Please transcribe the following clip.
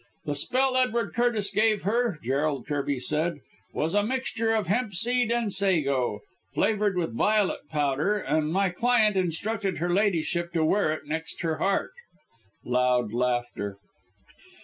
"The spell Edward Curtis gave her," Gerald Kirby said, "was a mixture of hempseed and sago, flavoured with violet powder, and my client instructed her Ladyship to wear it next her heart." (Loud laughter.)